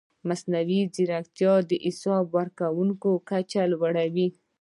مصنوعي ځیرکتیا د حساب ورکونې کچه لوړوي.